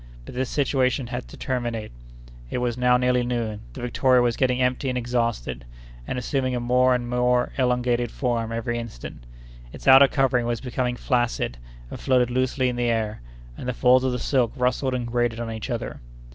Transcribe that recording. But this situation had to terminate. It was now nearly noon; the Victoria was getting empty and exhausted, and assuming a more and more elongated form every instant. Its outer covering was becoming flaccid, and floated loosely in the air, and the folds of the silk rustled and grated on each other.